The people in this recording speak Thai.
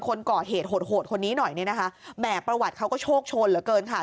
คนก่อเหตุโหดโหดคนนี้หน่อยเนี่ยนะคะแหมประวัติเขาก็โชคโชนเหลือเกินค่ะ